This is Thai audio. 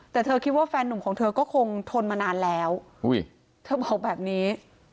แต่เธอคิดว่าแฟนหนุ่มของเธอก็คงทนมานานแล้วเธอบอกแบบนี้